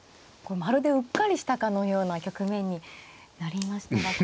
まるでうっかりしたかのような局面になりましたが。